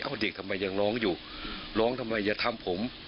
เอ้าเด็กก็ยังร้องอยู่ร้องยังไม่ทำผม